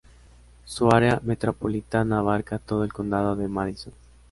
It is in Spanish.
Su área metropolitana abarca todo el condado de Madison.